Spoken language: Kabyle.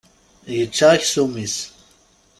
Yečča aksum-is.